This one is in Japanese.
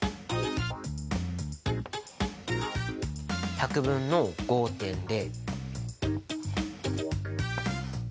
１００分の５．０。